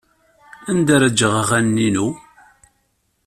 Anda ara geɣ aɣanen-inu?